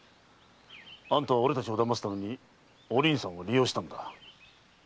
あんたは俺たちをだますためにお凛さんを利用したんだ。